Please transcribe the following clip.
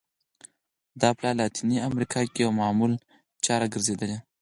دا په لاتینه امریکا کې یوه معمول چاره ګرځېدلې.